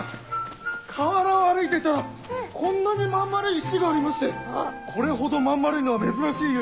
河原を歩いていたらこんなに真ん丸い石がありましてこれほど真ん丸いのは珍しいゆえ差し上げます！